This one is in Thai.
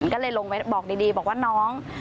ก็เลยลงไปบอกดีบอกว่าน้อง